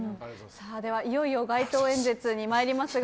いよいよ街頭演説に参りますが。